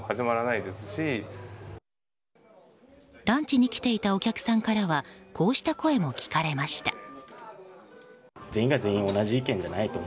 ランチに来ていたお客さんからはこうした声も聞かれました。